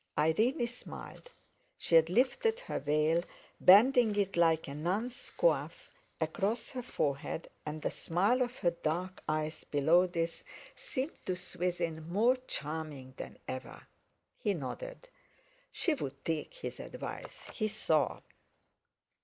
Irene smiled. She had lifted her veil, banding it like a nun's coif across her forehead, and the smile of her dark eyes below this seemed to Swithin more charming than ever. He nodded. She would take his advice he saw.